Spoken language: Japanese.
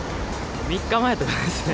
３日前とかですね。